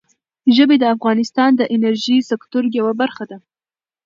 ژبې د افغانستان د انرژۍ سکتور یوه برخه ده.